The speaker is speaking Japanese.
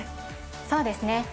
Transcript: そうですね。